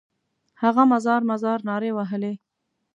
هغه مزار مزار نارې وهلې.